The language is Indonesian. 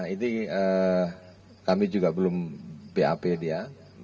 ini kami juga belum bap dia